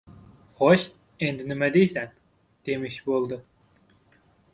— Xo‘sh, endi nima deysan?»— demish bo‘ldi.